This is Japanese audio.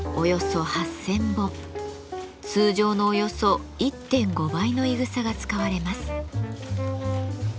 通常のおよそ１．５倍のいぐさが使われます。